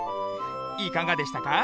いかがでしたか？